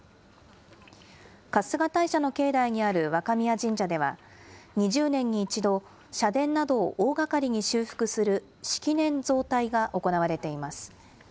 春日大社の境内にある若宮神社では、２０年に１度、社殿などを大がかりに修復する式年造替が行われています。